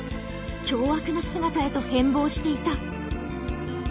凶悪な姿へと変貌していた。